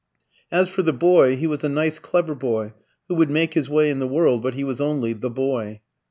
As for the boy, he was a nice clever boy who would make his way in the world; but he was only "the boy."